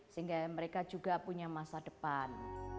sehingga mereka juga punya masa depan